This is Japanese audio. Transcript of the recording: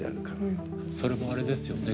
それもあれですよね